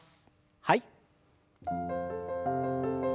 はい。